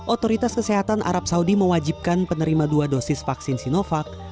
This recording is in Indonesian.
otoritas kesehatan arab saudi mewajibkan penerima dua dosis vaksin sinovac